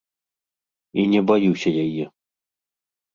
І не баюся яе.